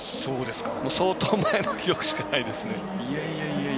相当、前の記憶しかないですね。